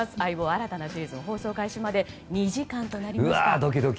新たなシーズン放送開始まで２時間となりました。